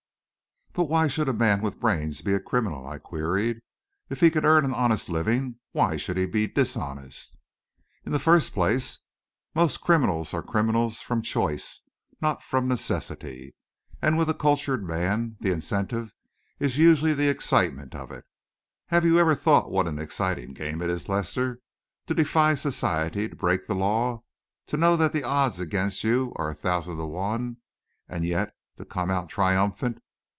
"But why should a man with brains be a criminal?" I queried. "If he can earn an honest living, why should he be dishonest?" "In the first place, most criminals are criminals from choice, not from necessity; and with a cultured man the incentive is usually the excitement of it. Have you ever thought what an exciting game it is, Lester, to defy society, to break the law, to know that the odds against you are a thousand to one, and yet to come out triumphant?